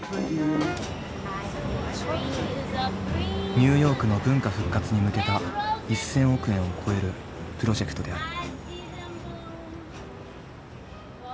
ニューヨークの文化復活に向けた１，０００億円を超えるプロジェクトである。